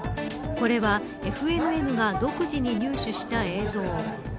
これはＦＮＮが独自に入手した映像。